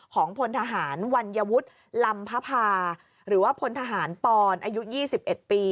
พลทหารวัญวุฒิลำพภาหรือว่าพลทหารปอนอายุ๒๑ปี